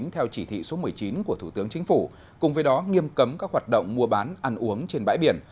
theo chỉ thị số một mươi chín của thủ tướng chính phủ cùng với đó nghiêm cấm các hoạt động mua bán ăn uống trên bãi biển